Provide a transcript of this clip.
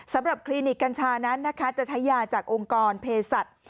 คลินิกกัญชานั้นนะคะจะใช้ยาจากองค์กรเพศัตริย์